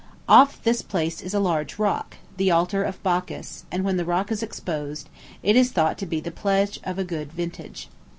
Off this place is a large rock, the Altar of Bacchus; and when the rock is exposed, it is thought to be the pledge of a good vintage.